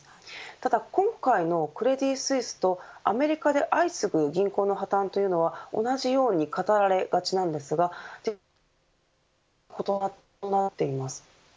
ただ今回のクレディ・スイスとアメリカで相次ぐ銀行の破綻というのは同じように語られがちなんですが問題の本質が異なっています。